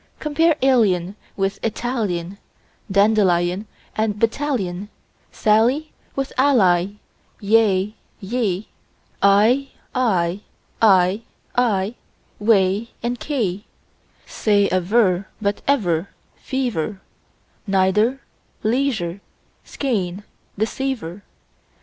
Compare alien with Italian, Dandelion with battalion, Sally with ally; yea, ye, Eye, I, ay, aye, whey, key, quay! Say aver, but ever, fever, Neither, leisure, skein, receiver.